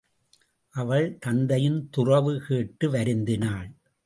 அவள் தந்தையின் துறவு கேட்டு வருந்தினாள்.